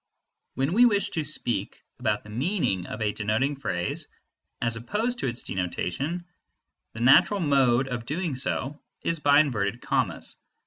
When we wish to speak about the meaning of a denoting phrase, as opposed to its denotation, the natural mode of doing so is by inverted commas.